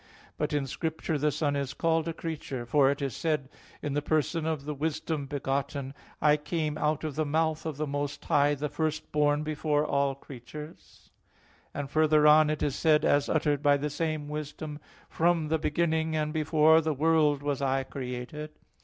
But in Scripture the Son is called a creature; for it is said (Ecclus. 24:5), in the person of the Wisdom begotten,"I came out of the mouth of the Most High, the first born before all creatures": and further on (Ecclus. 24:14) it is said as uttered by the same Wisdom, "From the beginning, and before the world was I created."